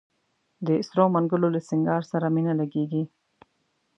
د سرو منګولو له سینګار سره مي نه لګیږي